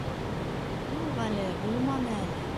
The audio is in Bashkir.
— Юҡ әле, булманы әле...